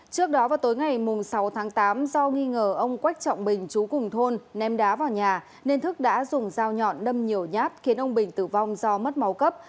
trước đó vào tối ngày sáu tháng tám do nghi ngờ ông quách trọng bình chú cùng thôn ném đá vào nhà nên thức đã dùng dao nhọn nâm nhiều nhát khiến ông bình tử vong do mất máu cấp